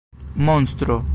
monstro